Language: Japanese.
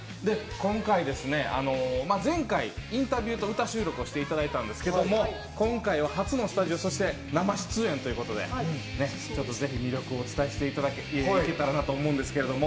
今回、前回インタビューと歌収録をしていただいたんですけれども、今回は初のスタジオ、そして生出演ということで、魅力をお伝えしていけたらなと思うんですけど。